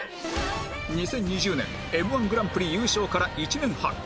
２０２０年 Ｍ−１ グランプリ優勝から１年半